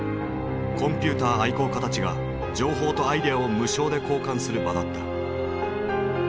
コンピューター愛好家たちが情報とアイデアを無償で交換する場だった。